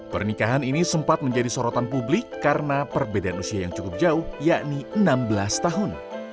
pernikahan ini sempat menjadi sorotan publik karena perbedaan usia yang cukup jauh yakni enam belas tahun